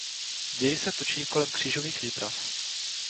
Děj se točí kolem Křížových výprav.